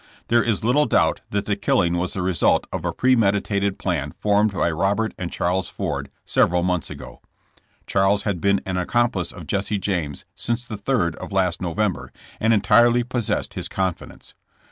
There is little doubt that the killing was the result of a premeditated plan formed by Robert and Charles Ford several months ago. Charles had been an accomplice of Jesse James since the third of last November, and entirely possessed his confidence.